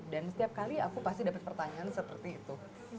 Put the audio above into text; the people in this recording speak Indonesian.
dan setiap kali aku pasti dapat pertanyaan seperti itu